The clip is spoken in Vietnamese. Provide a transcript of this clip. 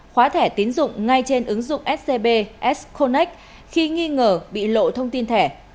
khóa thẻ tín dụng ngay trên ứng dụng scb s connect khi nghi ngờ bị lộ thông tin thẻ